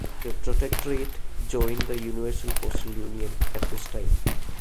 The protectorate joined the Universal Postal Union at this time.